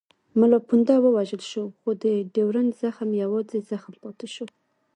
ملا پونده ووژل شو خو د ډیورنډ زخم یوازې زخم پاتې شو.